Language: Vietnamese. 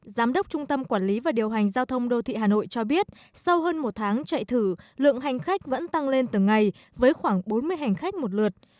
giám đốc trung tâm quản lý và điều hành giao thông đô thị hà nội cho biết sau hơn một tháng chạy thử lượng hành khách vẫn tăng lên từng ngày với khoảng bốn mươi hành khách một lượt